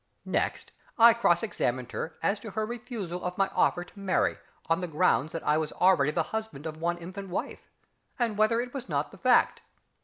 Next I cross questioned her as to her refusal of my offer to marry on the ground that I was already the husband of one infant wife, and whether it was not the fact.